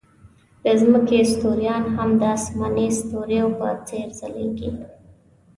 د ځمکې ستوریان هم د آسماني ستوریو په څېر ځلېږي.